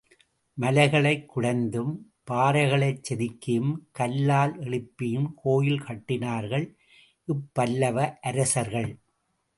மலைகளைக் குடைந்தும், பாறைகளைச் செதுக்கியும் கல்லால் எழுப்பியும் கோயில் கட்டினார்கள் இப்பல்லவ அரசர்கள்.